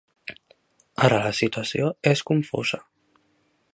Ara la situació és confusa.